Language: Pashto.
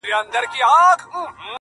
• د زړه له درده مي دا غزل ولیکله -